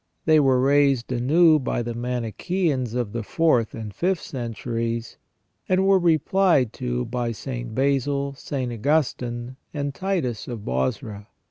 They were raised anew by the Manichaeans of the fourth and fifth centuries, and were replied to by St. Basil, St. Augustine, and Titus of Bozra.